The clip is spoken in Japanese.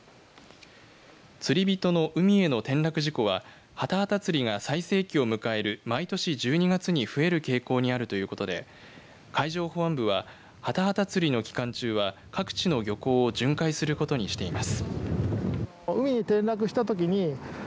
釣り人の海への転落事故はハタハタ釣りが最盛期を迎える毎年１２月に増える傾向にあるということで海上保安部はハタハタ釣りの期間中は各地の漁港を巡回することにしています。